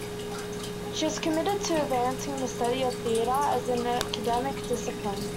She was committed to advancing the study of theatre as an academic discipline.